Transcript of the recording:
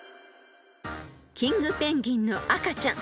［キングペンギンの赤ちゃん